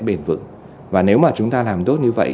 bền vững và nếu mà chúng ta làm tốt như vậy